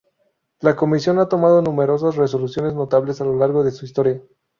La Comisión ha tomado numerosas resoluciones notables a lo largo de su historia.